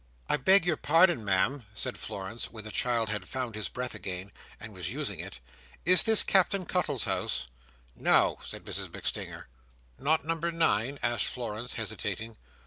"I beg your pardon, Ma'am," said Florence, when the child had found his breath again, and was using it. "Is this Captain Cuttle's house?" "No," said Mrs MacStinger. "Not Number Nine?" asked Florence, hesitating.